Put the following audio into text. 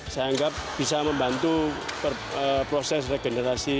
saya anggap bisa membantu proses regenerasi